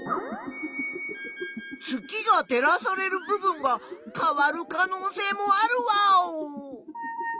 月が照らされる部分が変わる可能性もあるワーオ。